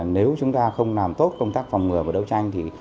nếu chúng ta không làm tốt công tác phòng ngừa và đấu tranh thì